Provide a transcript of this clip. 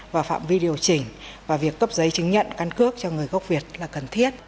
vào phạm vi điều chỉnh và việc cấp giấy chứng nhận căn cước cho người gốc việt là cần thiết